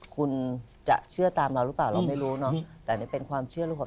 คุณจะเชื่อตามเรารึเปล่า